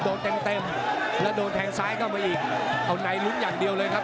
โดนเต็มเต็มแล้วโดนแทงซ้ายเข้าไปอีกเอาในลุ้นอย่างเดียวเลยครับ